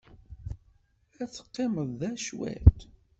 Ad teqqimeḍ da cwit?